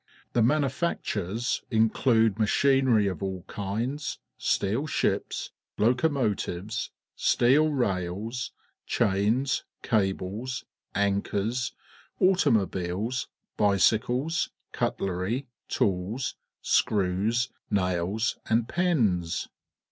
The manufactures in clude machinerj' of all kinds, steel ships, locomoti\'es, steel rails, chains, cables, an chors, automobiles, bicj'cles, cutler}^ tools, screws, nails, and pens.